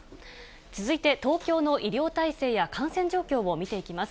続いて東京の医療体制や感染状況を見ていきます。